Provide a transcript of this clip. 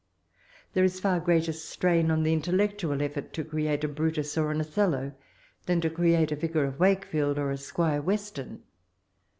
There is far grater strain on the intellec tual efSrt to create a Brutus or an Othello, tl)an to create a Yicar of Wakefield or a Squire Western.